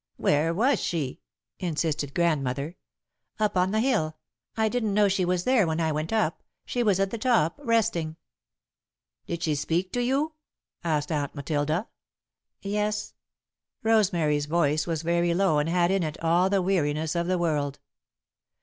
"Where was she?" insisted Grandmother. "Up on the hill. I didn't know she was there when I went up. She was at the top, resting." "Did she speak to you?" asked Aunt Matilda. "Yes." Rosemary's voice was very low and had in it all the weariness of the world.